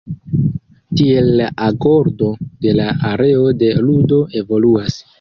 Tiel la agordo de la areo de ludo evoluas.